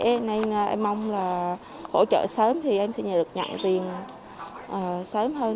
cho nên em mong là hỗ trợ sớm thì em sẽ nhờ được nhận tiền sớm hơn